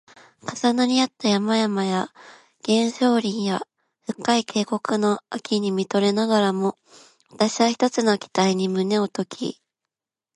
重なり合った山々や原生林や深い渓谷の秋に見とれながらも、わたしは一つの期待に胸をとき